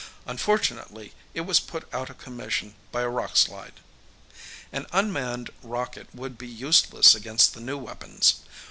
Unfortunately, it was put out of commission by a rock slide. An unmanned rocket would be useless against the new weapons.